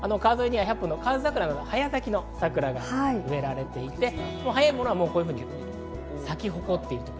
河津桜など早咲きの桜が植えられていて、早いものはこういうふうに咲き誇っています。